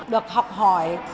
được học hỏi